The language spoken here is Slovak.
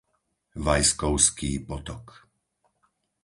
Vajskovský potok